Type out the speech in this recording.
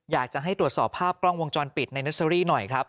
อยากจะให้ตรวจสอบภาพกล้องวงจรปิดในเนอร์เซอรี่หน่อยครับ